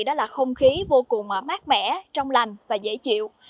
đó là không khí vô cùng mát mẻ trong lành và dễ chịu